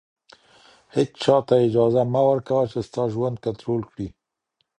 • هېچا ته اجازه مه ورکوه چې ستا ژوند کنټرول کړي.